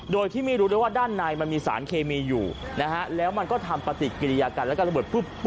โดยที่ไม่รู้ด้วยว่าด้านในมันมีสารเคมีอยู่นะฮะแล้วมันก็ทำปฏิกิริยากันแล้วก็ระเบิดปุ๊บ